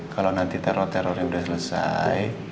kalau nanti teror terornya sudah selesai